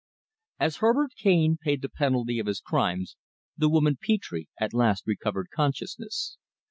As Herbert Cane paid the penalty of his crimes the woman Petre at last recovered consciousness.